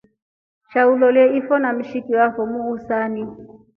Sha ulolie ife na mshiki afo muhusani.